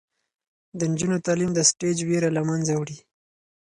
د نجونو تعلیم د سټیج ویره له منځه وړي.